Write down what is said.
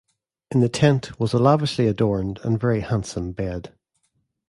In the tent was a lavishly-adorned and very handsome bed.